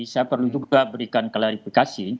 saya perlu juga berikan klarifikasi